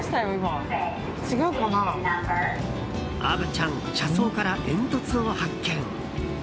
虻ちゃん、車窓から煙突を発見。